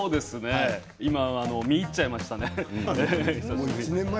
今、見入っちゃいましたね。